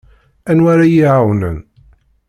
Anwa ara iyi-iɛawnen?